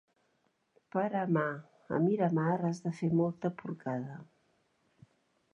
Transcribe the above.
Per amar a Miramar has de fer molta porcada.